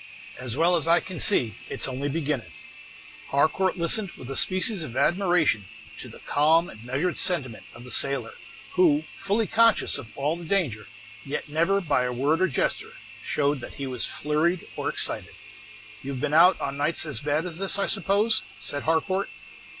"As well as I can see, it's only beginnin'." Harcourt listened with a species of admiration to the calm and measured sentiment of the sailor, who, fully conscious of all the danger, yet never, by a word or gesture, showed that he was flurried or excited. "You have been out on nights as bad as this, I suppose?" said Harcourt.